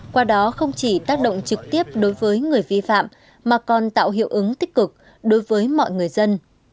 qua đó không chỉ tác động trực tiếp đối với người vi phạm mà còn tạo hiệu ứng tích cực đối với mọi người dân